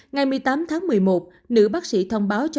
ngày một mươi tám tháng một mươi một nữ bác sĩ thông báo cho